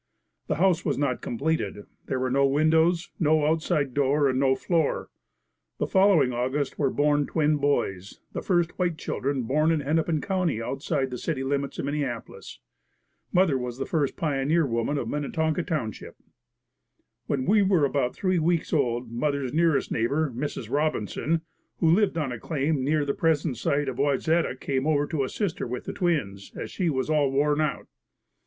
The house was not completed. There were no windows, no outside door and no floor. The following August were born twin boys, the first white children born in Hennepin county outside the city limits of Minneapolis. Mother was the first pioneer woman of Minnetonka township. When we were about three weeks old mother's nearest neighbor, Mrs. Robinson, who lived on a claim near the present site of Wayzata, came over to assist her with the twins, as she was all worn out.